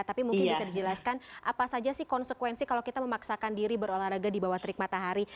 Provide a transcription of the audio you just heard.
tapi mungkin bisa dijelaskan apa saja sih konsekuensi kalau kita memaksakan diri berolahraga di bawah terik matahari